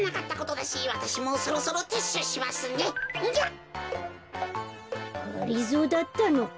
がりぞーだったのか。